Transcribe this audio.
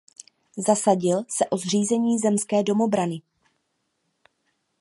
Zasadil se o zřízení zemské domobrany.